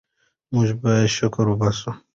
موږ باید شکر وباسو.